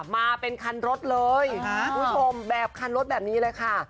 มาเป็นคันรถเลยคุณผู้ชมแบบคันรถแบบนี้เลยค่ะ